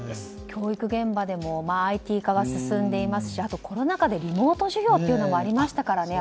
教育現場でもＩＴ化が進んでいますしコロナ禍でリモート授業もありましたからね